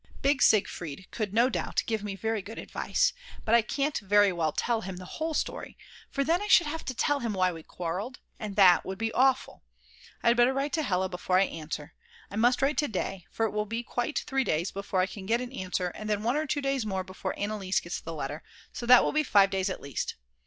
Big Siegfried could no doubt give me very good advice, but I can't very well tell him the whole story, for then I should have to tell him why we quarrelled, and that would be awful. I had better write to Hella before I answer. I must write to day, for it will be quite three days before I can get an answer, and then 1 or two days more before Anneliese gets the letter, so that will be 5 days at least.